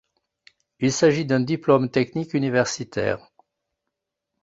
Il s'agit d'un diplôme technique universitaire.